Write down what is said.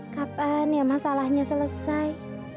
kapan ya masalahnya selesai